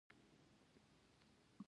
که ما عقل درلودای، زه به اوس دلته نه ووم.